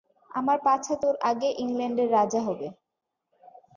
আমার পাছা তোর আগে ইংল্যান্ডের রাজা হবে।